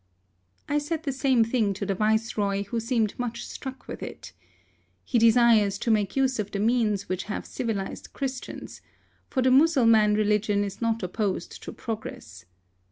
I said the same thing to the Viceroy, who seemed much struck with it. He desires to make use of the means which have civilised Christians; for the Mussulman religion is not opposed to progress.